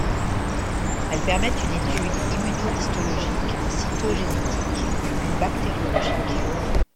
Elles permettent une étude immunohistologique, cytogénétique ou bactériologique.